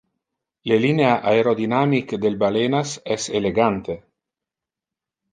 Le linea aerodynamic del balenas es elegante.